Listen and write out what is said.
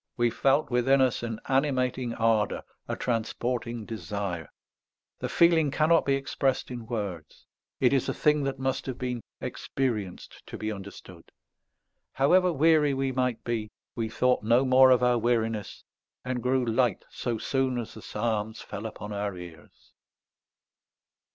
We felt within us an animating ardour, a transporting desire. The feeling cannot be expressed in words. It is a thing that must have been experienced to be understood. However weary we might be, we thought no more of our weariness, and grew light so soon as the psalms fell upon our ears."